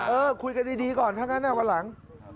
เออคุยกันดีก่อนทั้งนั้นวันหลัง